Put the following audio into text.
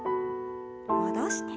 戻して。